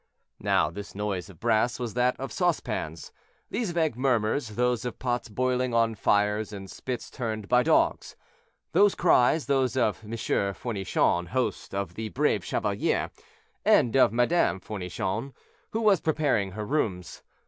Now this noise of brass was that of saucepans; these vague murmurs, those of pots boiling on fires and spits turned by dogs; those cries, those of M. Fournichon, host of the "Brave Chevalier," and of Madame Fournichon, who was preparing her rooms.